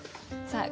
さあ